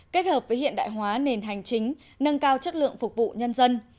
kết hợp với hiện đại hóa nền hành chính nâng cao chất lượng phục vụ nhân dân